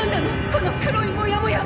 この黒いモヤモヤ！